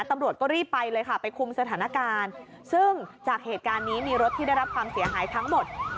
ตำรวจก็รีบไปเลยค่ะไปคุมสถานการณ์ซึ่งจากเหตุการณ์นี้มีรถที่ได้รับความเสียหายทั้งหมด